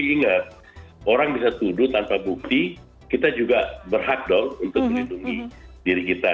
ingat orang bisa tuduh tanpa bukti kita juga berhak dong untuk melindungi diri kita